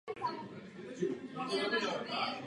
Po ukončení aktivní hráčské kariéry se stal trenérem.